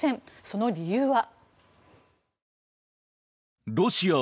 その理由は。